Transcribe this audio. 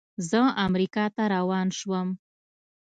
زه امریکا ته روان شوم.